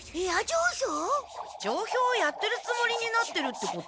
縄をやってるつもりになってるってこと？